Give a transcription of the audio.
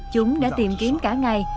chúng đã tìm kiếm cả ngày